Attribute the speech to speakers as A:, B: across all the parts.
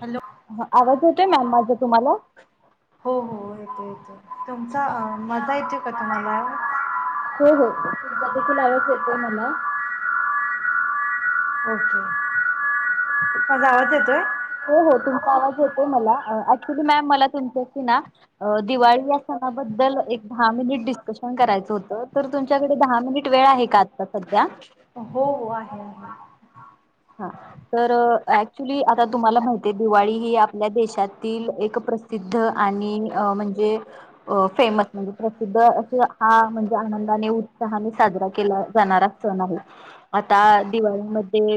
A: Hello
B: ह आवाज येतोय मॅम माझा तुम्हाला? हो
A: हो, हो येतोय येतोय तुमचा माझा येतोय का तुम्हाला [inaudible]
B: हो तुमचा देखील आवाज येतोय मला.
A: ओके माझा आवाजच येतोय?
B: हो हो तुमचा आवाज येतोय मला ऍक्च्युली मॅम मला तुमच्याशी ना दिवाळी या सणाबद्दल एक दहा मिनिट डिस्कशन करायचं होत. तर तुमच्याकडे दहा मिनिट वेळ आहे का आता सध्या
A: हो हो आहे आहे
B: हा तर ऍक्च्युली आता तुम्हाला माहिती आहे दिवाळी ही आपल्या दे देशातील एक प्रसिद्ध आणि म्हणजे अ फेमस म्हणजे प्रसिद्ध अस हा म्हणजे आनंदाने, उत्साहाने साजरा केला जाणारा सण आहे. आता दिवाळीमध्ये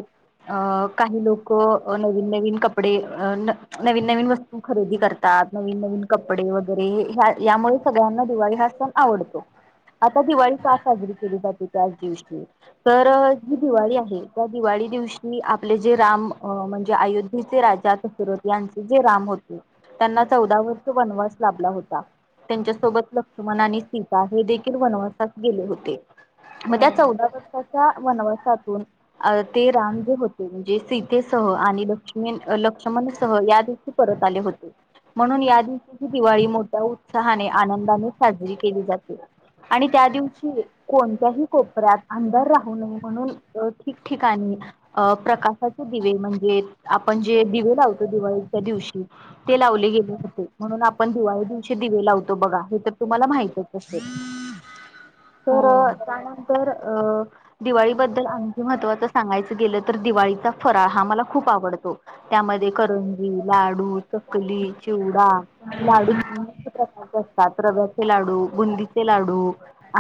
B: अ काही लोक नवीन नवीन कपडे, न नवीन नवीन वस्तू खरेदी करत तात नवीन नवीन कपडे वगैरे यामुळे सगळ्यांना दिवाळी हा सण आवडतो आता दिवाळी का साजरी केली जाते. त्याच दिवशी तर जी दिवाळी आहे त्या दिवाळी दिवशी आपले जे राम म्हणजे अयोध्येचे राजा दसरथ यांचे जे राम होते त्यांना चौदा वर्ष वनवास लाभला होता. तेच्यासोबत लक्ष्मण आणि सीता हे देखील वनवासात गेले होते मग त्या चौदा वर्षाच्या वनवासातून ते राम होते म्हणजे सीतेेसह आणि लक्ष्मीयन लक्ष्मण सह या दिवशी परत आले होते म्हणून या दिवशी ही दिवाळी मोठ्या उत्साहाने, आनंदाने साजरी केली जाते आणि त्या दिवशी कोणत्याही कोपऱ्यात अंधार राहू नये म्हणून ठिकठिकाणी अ प्रकाशाचे दिवे म्हणजे आपण जे दिवे लावतो दिवाळीच्या दिवशी ते लावले गेले होते म्हणून आपण दिवाळी दिवशी दिवे लावतो बघा हे तर तुम्हाला माहितच असेल तर
A: हो हो
B: त्यानंतर अ दिवाळीबद्दल आणखी महत्वाचं सांगायचं गेलं तर दिवाळीचा फराळ हा मला खूप आवडतो त्यामध्ये करंजी, लाडू, चकली, चिवडा, लाडूत अनेक प्रकारचे असतात रव्याचे लाडू, बुंदीचे लाडू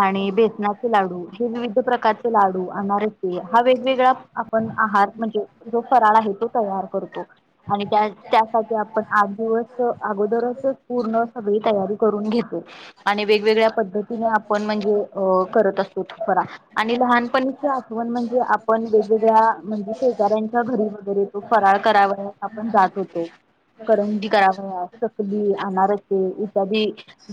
B: आणि बेसनाचे लाडू हे विविध प्रकारचे लाडू अनारसे हा वेगवेगळा आपण आहार म्हणजे जो फराळ आहे तो तयार करतो आणि त्या त्यासाठी आपण आठ दिवस अगोदरच पूर्ण सगळी तयारी करून घेतो आणि वेगवेगळ्या पद्धतीने आपण म्हणजे अ करत असतो फराळ आणि लहानपणीची आठवण म्हणजे आपण सगळ्या म्हणजे शेजाऱ्यांच्या घरी वैगरे तो फराळ करावयास आपण जात होतो करंजी करावयास चकली, अनारसे इत्यादी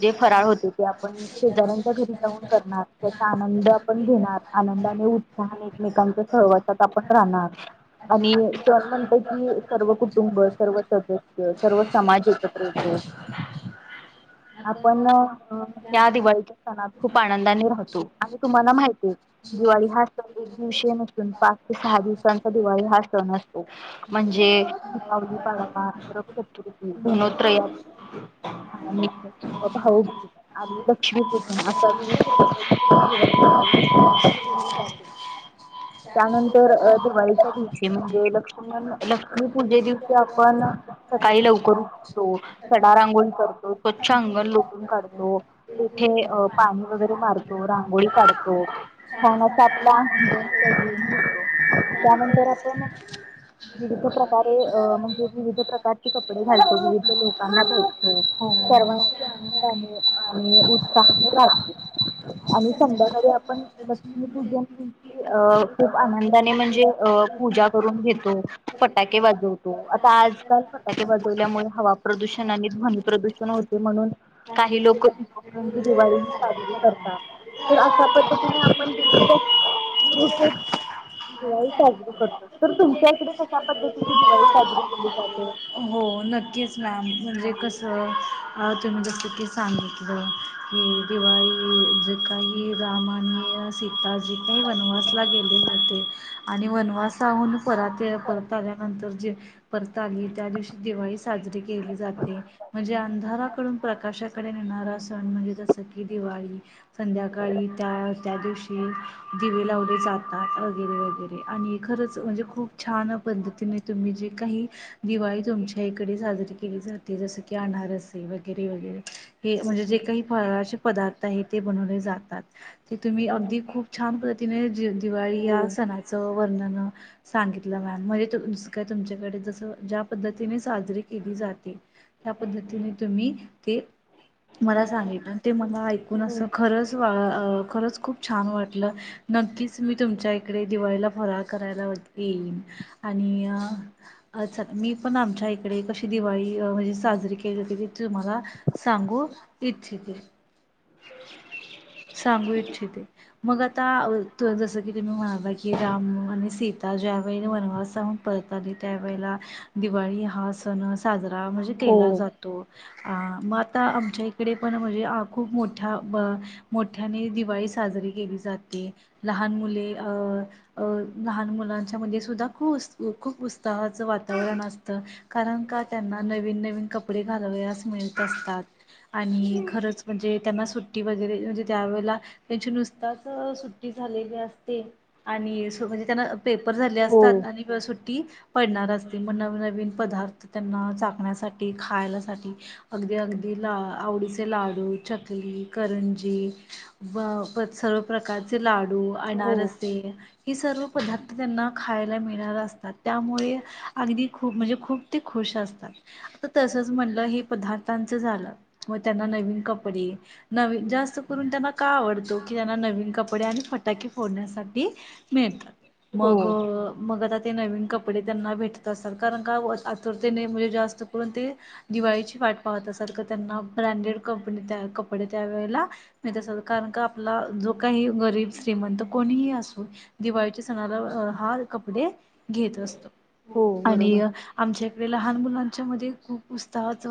B: जे फराळ होते ते आपण शेजाऱ्यांच्या घरी जाऊन करणार त्याचा आनंद आपण घेणार आनंदाने, उत्साहने एकमेकांच सहवासात आपण राहणार आणि सण म्हणत की सर्व कुटुंब सर्व सदस्य सर्व समाज एकत्र येतो आपण त्या दिवाळीच्या सणात खूप आनंदाने राहतो आणि तुम्हाला माहिती दिवाळी हा सण एक दिवशी मग पाच ते सहा दिवसांचा दिवाळी हा सण असतो. म्हणजे दीपावली, पाडवा, धनोत्रया, भाऊबीज आणि लक्ष्मीपूजन अशा विविध प्रकारची पुजा केली जाते. त्यानंतर दिवाळीच्या दिवशी म्हणजे लक्ष्मण लक्ष्मी पूजे दिवशी आपण सकाळी लवकर उठतो सडा रांगोळी करतो स्वच्छ अंगण लोटून काढतो तेथे अ पाणी वगैरे मारतो रांगोळी काढतो छान असं आपलं अंगण सजवून त्यानंतर आपण विविध प्रकारे अ म्हणजे विविध प्रकारची कपडे घालतो. विविध लोकांना भेटतो सर्वांशी आनंदाने आणि उत्साहाने राहतो. आणि संध्याकाळी आपण लक्ष्मी पूजनंची अ खूप आनंदाने म्हणजे अ पूजा करून घेतो फटाके वाजवतो आता आजकाल फटाके वाजवल्यामुळे हवा प्रदूषण आणि ध्वनी प्रदूषण होते म्हणून काही लोक इपी दिवाळी ह साजरी करतात तर अशा पद्धतीने आपण दिवाळी साजरी करतो तर तुमच्या इकडे कश्या पद्धतीची दिवाळी साजरी केली जाते.
A: हो नक्कीच मॅम म्हणजे कसं तुम्ही जसं की सांगितलं. ह दिवाळी जे काही राम आणि सीता ताजी काही वनवासला गेले नव्हते. आणि वनवास त्याहून परातीय परत आल्यानंतर जे परत आली त्या दिवशी दिवाळी साजरी केली जाते म्हणजे अंधाराकडून प्रकाशाकडे नेणारा सण म्हणजे जसं कि दिवाळी संध्याकाळी त्या त्या दिवशी दिवे लावले जातात वगैरे वगैरे आणि खरंच म्हणजे खूप छान पद्धतीने तुम्ही जे काही दिवाळी तुमच्या इकडे साजरी केली जाते. ते जसं की आनारसी वगैरे-वगैरे. हे म्हणजे जे काही फळाचे पदार्थ आहे ते बनवले जातात, ते तुम्ही अगदी खूप छान पद्धतीने दिवाळी
B: हो
A: या सणाचं वर्णन सांगितलं मॅम म्हणजे जसं काय तुमच्याकडे. जसं ज्या. पद्धतीने साजरी केली जाते. त्या पद्धतीने तुम्ही. ते. मला सांगितलं ते मला ऐकून असं खरंच खरंच खूप. छान वाटलं. नक्कीच मी तुमच्या इकडे दिवाळीला. फराळ करायला वगैरे येईन. आणि अचाक. पण आमच्या इकडे कशी दिवाळी, म्हणजे साजरी केली जाते ते तुम्हाला सांगू इच्छिते.
B: [unintelligible]
A: सांगू इच्छिते मग आता जसं. गेली मि महागाई. की राम आणि सीता. ज्या वेळे वनवासातून‌ परताली त्यावेेळेला दिवाळी हा सण साजरा. म्हणजे केला
B: हो
A: जातो. अ मग आता आमच्या इकडे पण म्हणजे खूप मोठा. मोठ्याने दिवाळी साजरी केली जाते. लहान मुले अं. लहान मुलांच्यामध्ये सुुद्धा खू उस खूप उत्साहाचं वातावरण असतं कारण का त्यांना नवीन-नवीन कपडे घालावयलास मिळत असतात. आणि खरंच म्हणजे. त्यांना सुट्टी वगैरे म्हणजे. ज्यावेळेला त्यांचे नुस. आताच सुट्टी झालेली असते आणि सो म्हणजे त्यांना पेपर झाले असतात आणि सुट -टी पडणार असते. मग नवी नवीन पदार्थ त्यांना चाकण्यासाठी खायलासाठी अगदी अगदी ला आवडीचे लाडू चकली करंजी. व पण सर्व प्रकारचे लाडू. लाडू
B: हो हो
A: अनारसे ह सर्व पदार्थ त्यांना. खायला मिळाला असतात. त्यामुळे. अगदी खूप म्हणजे खूप. ते खुश असतात. आता तसच म्हणलं हे पदार्थ. त्यांच झालं मग त्यांना नवीन कपडे नवी जास्त त्यांना का आवडतो की त्यांना नवीन कपडे आणि फटाके फोडण्यासाठी मिळतात. मग
B: हो
A: मग आता ते नवीन कपडे त्यांना भेटत असतात कारण का आतुरतेने म्हणजे जास्त करून ते दिवाळीची वाट पाहत असाल तर, त्यांना ब्रँडेड कंपनी त्या कपडे त्या वेळेला कारण का आपला जो काही गरीब श्रीमंत कोणीही असू दिवाळीच्या सणाला हा कपड घेत असतो.
B: हो
A: आणि
B: बरोबर
A: आमच्या इकडे लहान मुलांच्या मध्ये खूप उत्साहच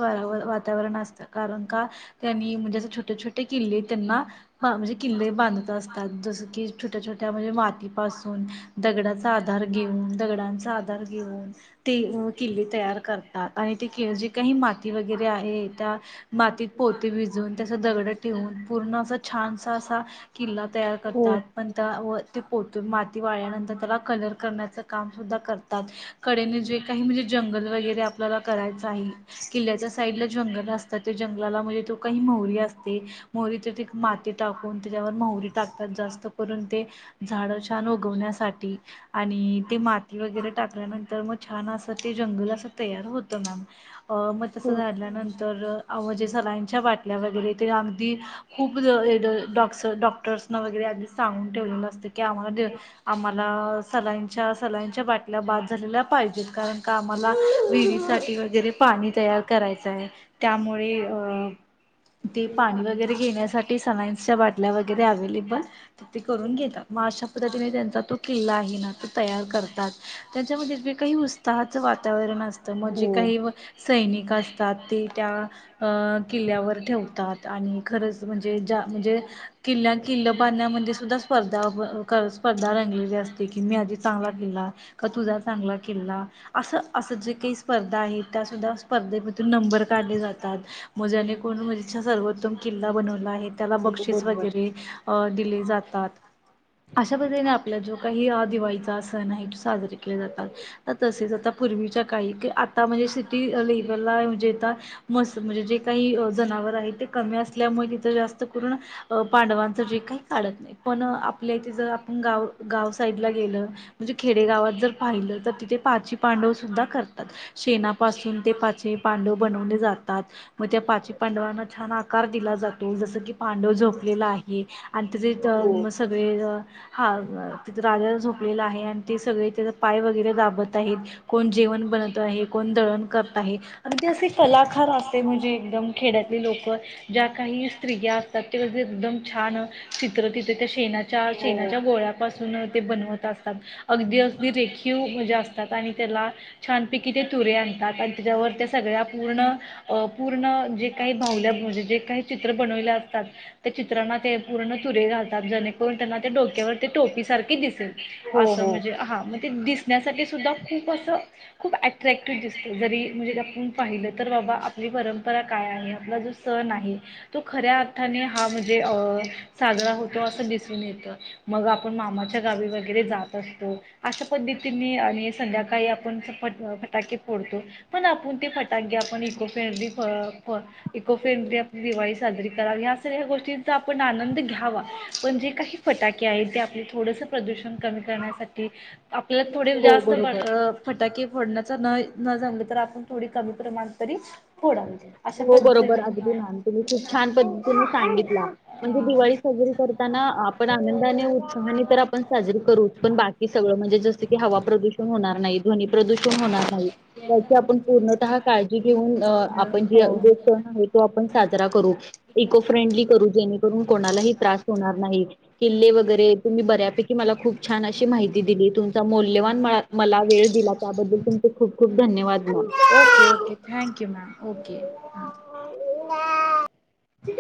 A: वातावरण असतं कारण का त्यांनी म्हणजे अस छोटे छोटे किल्ले त्यांना म्हणजे किल्ले बांधत असतात जस की छोट्या छोट्या म्हणजे मातीपासून दगडाचा आधार घेऊन दगडांचा आधार घेऊन ते किल्ले तयार कर आणि ते जे काही माती वगैरे आहे त्या मातीत पोते भिजून त्याचा दगड ठेवून पूर्ण अस छानसा असा किल्ला तयार
B: हो
A: करतात पण त्या वर ते पोतून माती वाळल्यानंतर त्याला कलर करण्याचं काम सुद्धा करतात. कडेने जे काही म्हणजे जंगल वगैरे आपल्याला करायचं आहे. किल्ल्याच्या साईड ला जंगल असत त्या जंगलाला म्हणजे तो काही मोहरी असते मोहरीत माती टाकून त्याच्यावर मोहरी टाकतात जास्त करून ते झाड छान उगवण्यासाठी आणि ते माती वगैरे टाकल्यानंतर मग छान असं ते जंगल अस तयार होत मॅम मग तसं
B: हो
A: झाल्यानंतर तर अवजे सलांच्या बाटल्या वगैरे ते आ खूप डॉक् डॉक्टर्स न वगैरे आधी सांगून ठेवलेलं असतं की आम्हा आम्हाला सलाईंच्या सलाईंच्या बाटल्या बाद झालेल्या पाहिजेत कारण का आम्हाला विहिरीसाठी वगैरे पाणी तयार करायचं आहे त्यामुळे अ पाणी वगैरे घेण्यासाठी सल्लाईन बाटल्या वगैरे अवेलेबल तर ती करून घेतात मग अशा पद्धतीने त्यांचा तो किल्ला आहे ना तो तयार करतात त्यांच्यामध्येे काही उत्साहाचं वातावरण असत तर म्हणजे
B: हो
A: काही सैनिक असतात ते त्या अ किल्यावर ठेवतात आणि खरंच म्हणजे ज्या म्हणजे किल्ल्या किल्ल बांण्या मध्ये सु धा स्पर्धा स्पर्धा रंगलेली असते की मी आधी चांगला केला का तुझा चांगला किल्ला असं असं जे काही स्पर्धा आहे त्यासुद्धा स्पर्धेमधून नंबर काढले जातात मज्याने करून म्हजे [unintelligible] किल्ला बनवला आहे त्याला
B: हो
A: बक्षीस
B: बरोबर
A: वगैरे अ दिले जातात अशा पद्धतीने आपला जो काही दिवाळीचा सण आहे तो साजरे केले जातात तर तसेच आता पूर्वीच्या काळी की आता म्हणजे सिटी लेवलला म्हणजे आता मस्त म्हणजे जे काही जनावर आहे ते कमी असल्यामुळे तिथं जास्त करून पांडवांचं जे काही काढत नाही पण आपल्या इथे जर आपण गाव गाव साईडला गेलं म्हणजे खेडेगावात जर पाहिलं तर तिथे पाची पांडव सुद्धा करतात शेणापासून ते पाचे पांडव बनवले जातात आकार दिला जातो जस की पांडव झोपलेला आहे आणि तथ
B: हो
A: म सगळे अ हा तिथ राजाला झोपलेला आहे आणि ते सगळे त्याचा पाय वगैरे दाबत आहेत कोण जेवण बनत आहे कोण दळण करत आहे आणि ते असे कलाकार असते म्हणजे एकदम खेड्यातले लोक ज्या काही स्त्रिया असतात त्या जे एकदम छान चित्र तिथे त्या शेणा च्या
B: हो हो
A: शेनाच्या गोळ्यापास ते बनवत असतात अगदी अगदी रेखीव म्हणजे असतात आणि त्याला छानपैकी ते तुरे आणतात आणि त्याच्यावर त्या सगळ्या पूर्ण पूर्ण जे काही भावल्या म्हणजेे काही चित्र बनवले असतात त्या चित्रांना ते पूर्ण तुरे घालतात जेणेकरून त्यांना त्या डोक्यावर टोपी सारखे दिसेल असं
B: हो
A: म्हणजे हा मग ते दिस ण्यासाठी सुुद्धा खूप असं खूप ॲट्रॅक्टिव्ह दिसतं जरी म्हणजे आपण पाहिलं तर बाबा आपली परंपरा काय आहे आपला जो सण आहे तो खऱ्या अर्थाने हा म्हणजे अ साजरा होतो असं दिसून येतं मग आपण मामाच्या गावी वगैरे जात असतो अशा पद्धतीने आणि संध्याकाळी आपण फट फटाके फोडतो पण आपण ते फटाके आपण eco friendly eco friendly Diwali साजरी करावी या सगळ्या गोष्टींचा आपण आनंद घ्यावा पण जे काही फटाके आहेत ते आपले थोडसं प्रदूषण कमी करण्यासाठी आपल्याला थोडे
B: हो
A: जास्त
B: बरोबर
A: फटाके फोडण्यात न जमलं तर आपण थोडी कमी प्रमाण तरी फोडावी अशा
B: हो बरोबर
A: पद्धतीने
B: अगदी मॅम तुम्ही खूप छान पद्धतीने सांगितला म्हणजे दिवाळी साजरी करताना आपण आनंदाने उत्साहाने तर आपण साजरी करू पण बाकी सगळं म्हणजे जस की हवा प्रदूषण होणार
A: हा.
B: नाही ध्वनी प्रदूषण होणार नाही याची आपण पूर्णतः काळजी घेऊन अप
A: घेऊन हो.
B: जो सन आहे तो आपण पण साजरा करू इको फ्रेंडली करू जेणेकरून कोणालाही त्रास होणार नाही किल्ले वगैरे तुम्ही बऱ्यापैकी मला खूप छान अशी माहिती दिली तुमचा मौल्यवान मला वेळ दिला त्याबद्दल तुमचे खूप खूप धन्यवाद
A: okay
B: ma'am
A: okay thank you ma'am okay [unintelligible]